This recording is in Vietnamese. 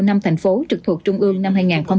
năm thành phố trực thuộc trung ương năm hai nghìn hai mươi